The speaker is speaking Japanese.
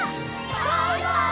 バイバイ！